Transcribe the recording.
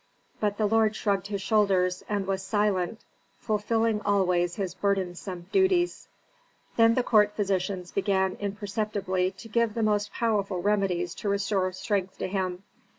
But the lord shrugged his shoulders, and was silent, fulfilling always his burdensome duties. Then the court physicians began imperceptibly to give the most powerful remedies to restore strength to him.